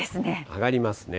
上がりますね。